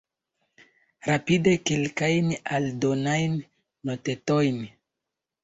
Rapide kelkajn aldonajn notetojn.